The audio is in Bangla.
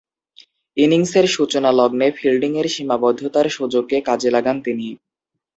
ইনিংসের সূচনালগ্নে ফিল্ডিংয়ের সীমাবদ্ধতার সুযোগকে কাজে লাগান তিনি।